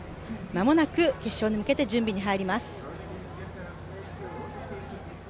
間もなく決勝に向けて準備に入ります。